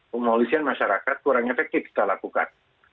pemolisian masyarakat kurang efektif kita lakukan